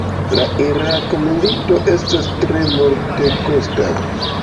La Irak-milito estas tre multekosta.